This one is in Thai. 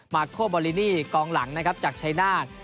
โคบอลลินีกองหลังนะครับจากชายนาฏ